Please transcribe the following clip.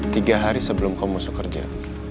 tiga hari sebelum kau masuk kerja